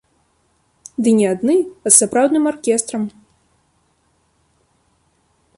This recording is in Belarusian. Ды не адны, а з сапраўдным аркестрам!